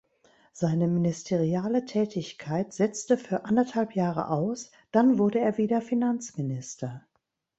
Seine ministeriale Tätigkeit setzte für anderthalb Jahre aus, dann wurde er wieder Finanzminister.